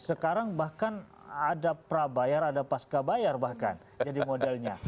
sekarang bahkan ada prabayar ada pascabayar bahkan jadi modelnya